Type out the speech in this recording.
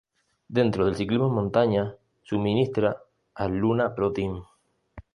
Dentro del ciclismo de montaña suministra al Luna Pro Team.